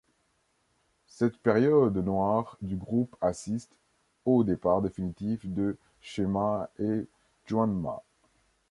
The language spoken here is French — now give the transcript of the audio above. Cette période noire du groupe assiste au départ définitif de Chema et Juanma.